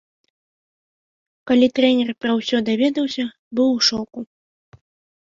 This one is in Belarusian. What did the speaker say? Калі трэнер пра ўсё даведаўся, быў у шоку.